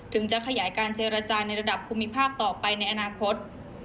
จะขยายการเจรจาในระดับภูมิภาคต่อไปในอนาคต